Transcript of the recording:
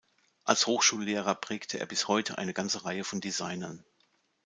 Als Hochschullehrer prägte er bis heute eine ganze Reihe von Designern.